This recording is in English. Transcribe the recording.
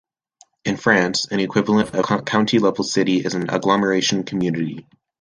In France, an equivalent of a county-level city is an agglomeration community.